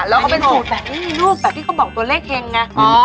แล้วเขาเป็นสูตรแบบนี้มีรูปแบบที่เขาบอกตัวเลขเองนะอ๋อ๖